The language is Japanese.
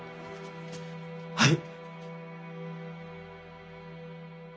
はい。